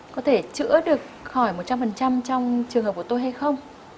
có thể chữa được khỏi một trăm linh trong trường hợp của tôi hay không